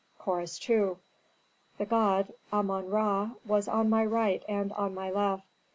Chorus II. "The god Amon Ra was on my right and on my left.